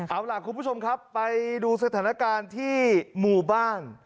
เอาล่ะคุณผู้ชมครับไปดูสถานการณ์ที่หมู่บ้าน